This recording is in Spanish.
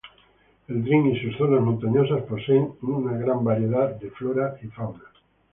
El Drin y sus zonas montañosas poseen una gran variedad de flora y fauna.